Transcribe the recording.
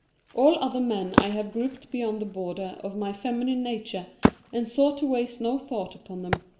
All other men I have grouped beyond the border of my feminine nature and sought to waste no thought upon them.